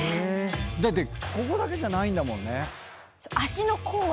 だってここだけじゃないんだもんね。